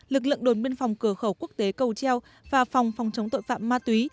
lực lượng đồn biên phòng cửa khẩu quốc tế cầu treo và phòng phòng chống tội phạm ma túy